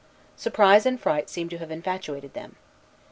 Surprise and fright seem to have infatuated them.